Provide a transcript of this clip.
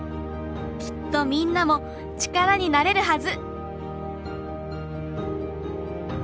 きっとみんなも力になれるはず。